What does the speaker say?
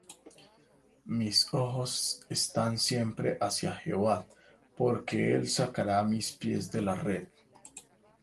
Mis ojos están siempre hacia Jehová; Porque él sacará mis pies de la red.